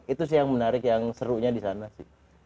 itu sih yang menarik yang serunya di sana sih